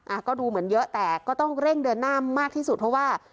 อ่ะก็ดูเหมือนเยอะแต่ก็ต้องเร่งเดินหน้ามากที่สุดเพราะว่า